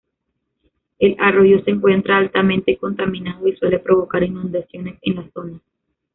El arroyo se encuentra altamente contaminado y suele provocar inundaciones en la zona.